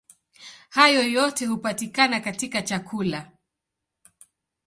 Hayo yote hupatikana katika chakula.